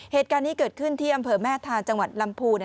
เหตุการณ์นี้เกิดขึ้นที่อำเภอแม่ทานจังหวัดลำพูน